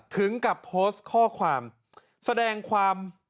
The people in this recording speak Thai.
ถึงกับโพสต์ข้อความแสดงความ